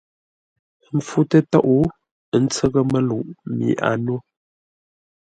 Ə́ pfú tə́tóʼ, ə́ ntsə́ghʼə́ məluʼ mi a nó.